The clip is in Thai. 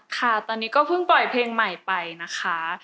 ค่ะตอนนี้ก็เพิ่งปล่อยเพลงใหม่ไปนะคะ